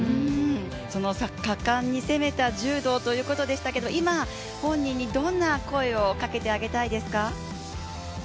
果敢に攻めた柔道ということでしたけど今、本人にどんな声をかけてあげたいですか？